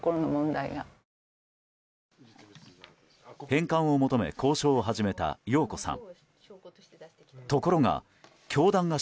返還を求め交渉を始めた容子さん。